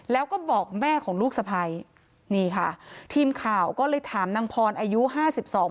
แล้วก็บอกแม่ของลูกสะพ้ายนี่ค่ะทีมข่าวก็เลยถามนางพรอายุห้าสิบสอง